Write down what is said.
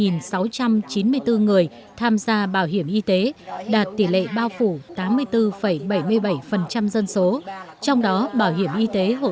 hai trăm một mươi hai sáu trăm chín mươi bốn người tham gia bảo hiểm y tế đạt tỷ lệ bao phủ tám mươi bốn bảy mươi bảy dân số trong đó bảo hiểm y tế hộ